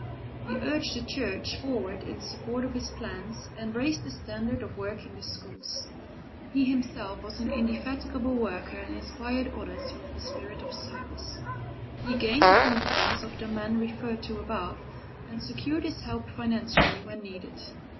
He urged the church forward in support of his plans, and raised the standard of work in the schools. He himself was an indefatigable worker and inspired others with the spirit of service. He gained the confidence of the man referred to above and secured his help financially when needed.